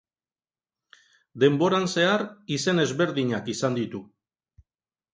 Denboran zehar izen ezberdinak izan ditu.